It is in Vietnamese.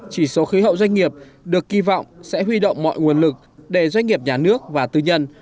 chỉ số khí hậu doanh nghiệp được kỳ vọng sẽ huy động mọi nguồn lực để doanh nghiệp nhà nước và tư nhân